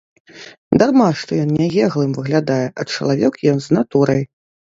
Дарма, што ён нягеглым выглядае, а чалавек ён з натурай.